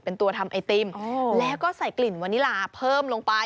เป็นตัวทำไอติมแล้วก็ใส่กลิ่นวานิลาเพิ่มลงไป